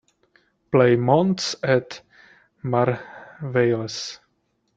Play Monts Et Merveilles.